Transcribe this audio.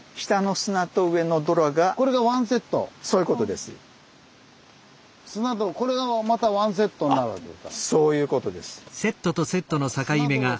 砂泥これがまたワンセットになるわけですか。